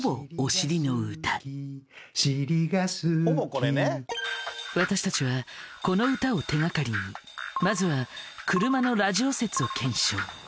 しりが好き私たちはこの歌を手がかりにまずは車のラジオ説を検証。